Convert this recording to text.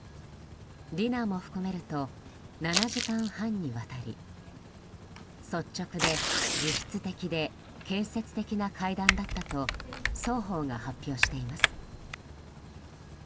ディナーも含めると７時間半にわたり率直で、実質的で建設的な会談だったと双方が発表しています。